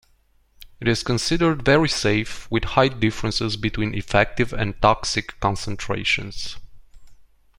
It is considered very safe, with high differences between effective and toxic concentrations.